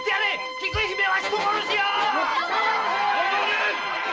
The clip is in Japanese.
菊姫は人殺しよ‼